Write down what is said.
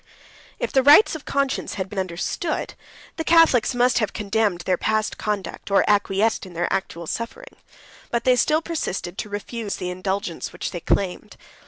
If the rights of conscience had been understood, the Catholics must have condemned their past conduct or acquiesced in their actual suffering. But they still persisted to refuse the indulgence which they claimed.